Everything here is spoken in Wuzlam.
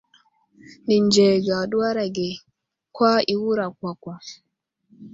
Nenzərge aduwar age kwa i wura kwakwa.